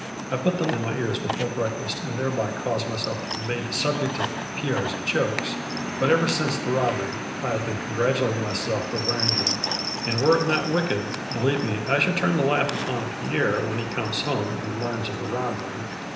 I put them in my ears before breakfast, and thereby caused myself to be made the subject of Pierre's jokes, but, ever since the robbery, I have been congratulating myself for wearing them, and were it not wick ed, believe me I should turn the laugh upon. Pierre when he comes home and learns of the robbery.